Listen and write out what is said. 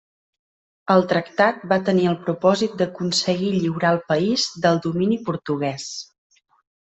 El tractat va tenir el propòsit d'aconseguir lliurar el país del domini portuguès.